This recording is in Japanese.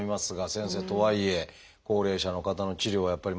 先生とはいえ高齢者の方の治療はやっぱり難しいですね。